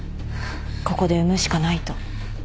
ここで産むしかないと。